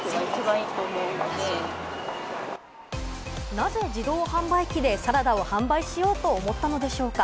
なぜ自動販売機でサラダを販売しようと思ったのでしょうか？